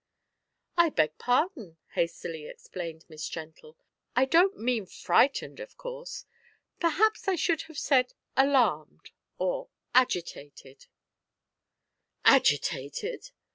"I beg pardon," hastily explained Miss Gentle, "I don't mean frightened, of course; perhaps I should have said alarmed, or agitated " "Agitated!"